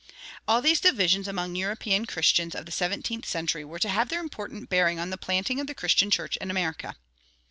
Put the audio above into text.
All these divisions among the European Christians of the seventeenth century were to have their important bearing on the planting of the Christian church in America.